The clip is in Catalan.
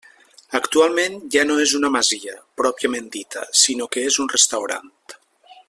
Actualment ja no és una masia pròpiament dita, sinó que és un restaurant.